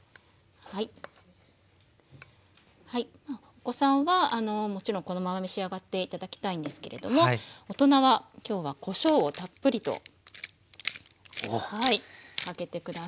お子さんはもちろんこのまま召し上がって頂きたいんですけれども大人は今日はこしょうをたっぷりとかけて下さい。